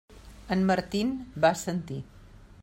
En Martin va assentir.